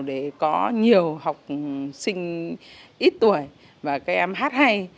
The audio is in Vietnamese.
để có nhiều học sinh ít tuổi và các em hát hay